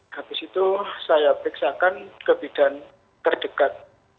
habis itu saya periksakan ke bidan terdekat